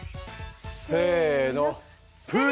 せのプリン！